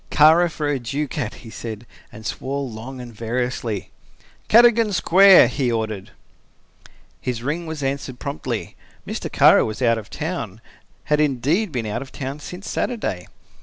"Kara for a ducat!" he said, and swore long and variously. "Cadogan Square," he ordered. His ring was answered promptly. Mr. Kara was out of town, had indeed been out of town since Saturday.